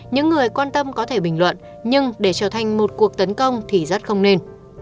những người quan tâm có thể bình luận nhưng để trở thành một cuộc tấn công thì rất không nên